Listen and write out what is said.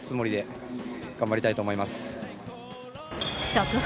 速報！